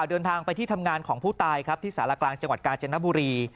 เดินทางไปที่ทำงานของผู้ตายครับที่สารกลางจังหวัดกาญจนบุรี